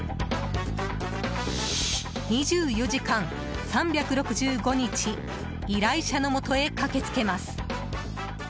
２４時間３６５日依頼者のもとへ駆けつけます。